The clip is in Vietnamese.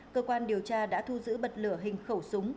cơ quan điều tra đã thu giữ bật lửa hình khẩu súng